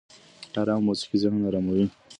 ارامه موسيقي ذهن اراموي